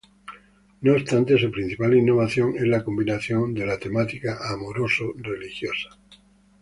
No obstante, su principal innovación es la combinación de la temática amoroso-religiosa.